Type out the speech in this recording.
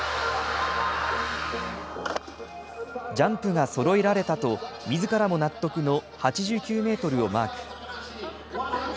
ジャンプがそろえられたと、みずからも納得の８９メートルをマーク。